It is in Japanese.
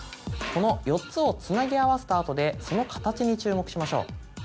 この４つをつなぎ合わせた後でその形に注目しましょう。